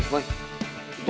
itu bukan mobil lu